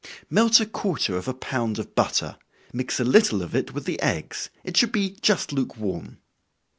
Melt a quarter of a pound of butter, mix a little of it with the eggs it should be just lukewarm.